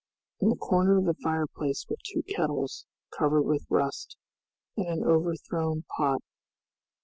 In the corner of the fireplace were two kettles, covered with rust, and an overthrown pot.